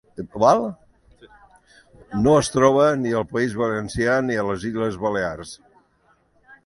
No es troba ni al País Valencià ni a les Illes Balears.